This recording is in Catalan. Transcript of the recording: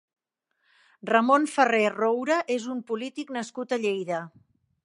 Ramon Farré Roure és un polític nascut a Lleida.